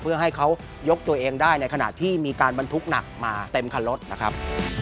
เพื่อให้เขายกตัวเองได้ในขณะที่มีการบรรทุกหนักมาเต็มคันรถนะครับ